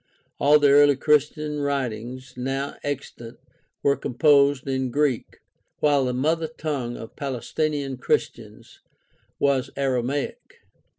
All the early Christian writings now extant were composed in Greek, while the mother tongue of Palestinian Christians was Aramaic.